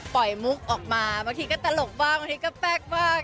มุกออกมาบางทีก็ตลกบ้างบางทีก็แป๊กบ้าง